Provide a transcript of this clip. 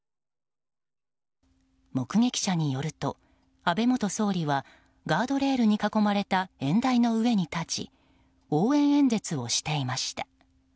目撃者によると安倍元総理はガードレールに囲まれた演台の上に立ち応援演説をしていました。